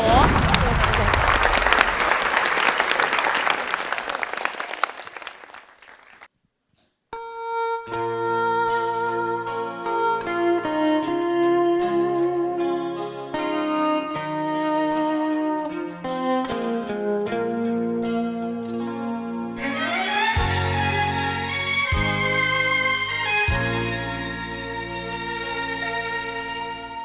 ขอบคุณครับขอบคุณครับ